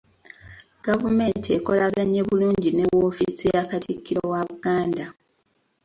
Gavumenti ekolaganye bulungi ne woofiisi ya Katikkiro wa Buganda.